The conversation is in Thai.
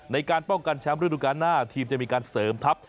ในการป้องกันแชมป์ฤดูการหน้าทีมจะมีการเสริมทัพ